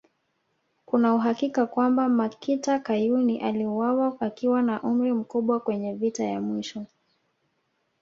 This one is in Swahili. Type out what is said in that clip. Kuna uhakika kwamba Makita Kayuni aliuawa akiwa na umri mkubwa kwenye vita ya mwisho